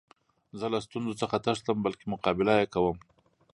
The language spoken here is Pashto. زه له ستونزو څخه تښتم؛ بلکي مقابله ئې کوم.